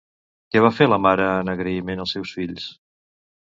Què va fer la mare en agraïment als seus fills?